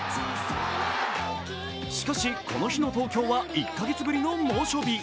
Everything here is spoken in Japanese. しかし、この日の東京は１カ月ぶりの猛暑日。